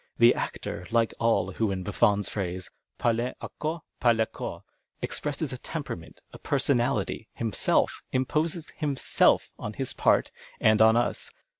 The actor, like all who, in Buffons phrase, " parlcnt au corps par le corjjs,'"' expresses a temperament, a personality, himself ; imposes himself on his part and on us.